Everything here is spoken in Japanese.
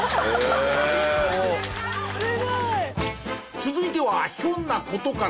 続いてはひょんな事から。